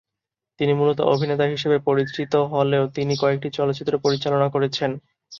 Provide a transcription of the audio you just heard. তিনি মূলত অভিনেতা হিসেবে পরিচিত হলেও তিনি কয়েকটি চলচ্চিত্র পরিচালনা করেছেন।